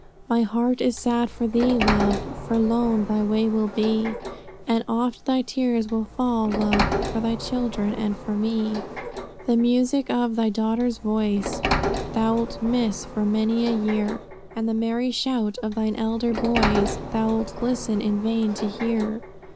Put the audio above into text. My heart is sad for thee, Love, For lone thy way will be; And oft thy tears will fall, Love, For thy children and for me. The music of thy daughter's voice Thou'lt miss for many a year; And the merry shout of thine elder boys Thou'lt list in vain to hear.